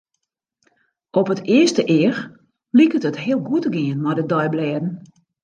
Op it earste each liket it heel goed te gean mei de deiblêden.